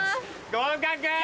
合格。